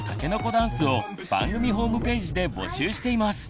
ダンスを番組ホームページで募集しています！